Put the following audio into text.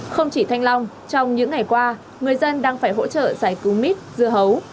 không chỉ thanh long trong những ngày qua người dân đang phải hỗ trợ giải cứu mít dưa hấu